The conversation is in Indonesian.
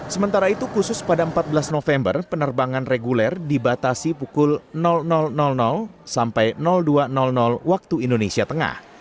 sementara itu khusus pada empat belas november penerbangan reguler dibatasi pukul sampai dua waktu indonesia tengah